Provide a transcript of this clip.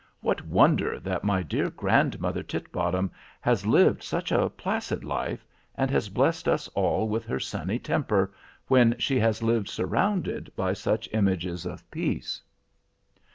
What wonder that my dear grandmother Titbottom has lived such a placid life, and has blessed us all with her sunny temper, when she has lived surrounded by such images of peace.